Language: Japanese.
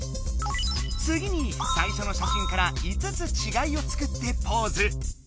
つぎにさいしょのしゃしんから５つちがいを作ってポーズ。